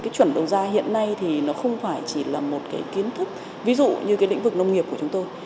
chuyển đầu ra hiện nay thì nó không phải chỉ là một kiến thức ví dụ như lĩnh vực nông nghiệp của chúng tôi